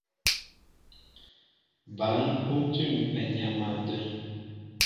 Bǎn ó tʉ̂mpɛ nyam a dəŋ.